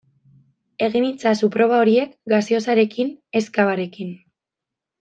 Egin itzazu proba horiek gaseosarekin ez cavarekin.